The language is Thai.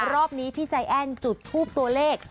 รอบนี้พี่ใจแอ้นจุดทูปตัวเลข